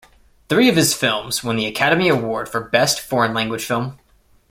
Three of his films won the Academy Award for Best Foreign Language Film.